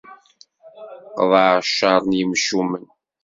Qḍeɛ ccer n yimcumen.